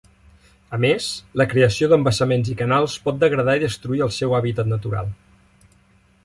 A més, la creació d'embassaments i canals pot degradar i destruir el seu hàbitat natural.